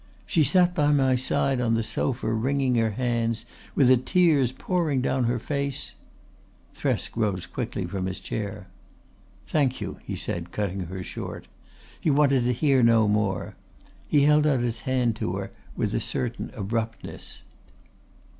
She sat by my side on the sofa, wringing her hands, with the tears pouring down her face ..." Thresk rose quickly from his chair. "Thank you," he said, cutting her short. He wanted to hear no more. He held out his hand to her with a certain abruptness.